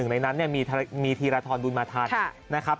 ๑ในนั้นมีธีรธรรมดุลมาทัศน์